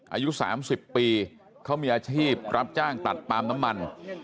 อายุ๓๐ปีเขามีอาชีพรับจ้างตัดปาล์มน้ำมัน